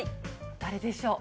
誰でしょう？